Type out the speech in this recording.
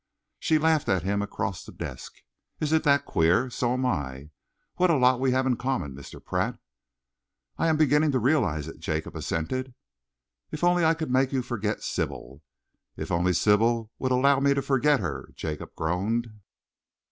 She laughed at him across the desk. "Isn't that queer! So am I! What a lot we have in common, Mr. Pratt!" "I am beginning to realise it," Jacob assented. "If only I could make you forget Sybil!" "If only Sybil would allow me to forget her!" Jacob groaned.